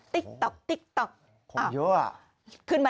ติ๊กต๊อกติ๊กต๊อกขอบเยอะอ่ะ